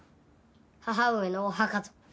母上のお墓ぞ。